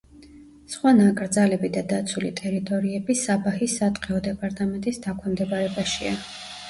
სხვა ნაკრძალები და დაცული ტერიტორიები საბაჰის სატყეო დეპარტამენტის დაქვემდებარებაშია.